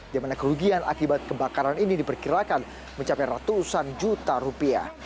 di mana kerugian akibat kebakaran ini diperkirakan mencapai ratusan juta rupiah